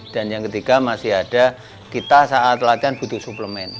dan yang ketiga masih ada kita saat latihan butuh suplemen